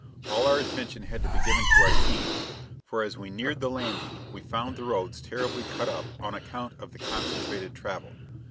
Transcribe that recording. All our attention had to be given to our teams, for as we neared the landing we found the roads terribly cut up on account of the concentrated travel.